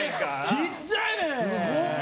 ちっちゃいねんん。